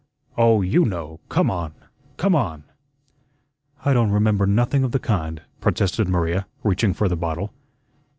Oh, YOU know; come on, come on." "I don't remember nothing of the kind," protested Maria, reaching for the bottle.